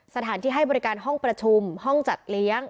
สถานที่ให้บริการห้องประชุมห้องจัดเลี้ยง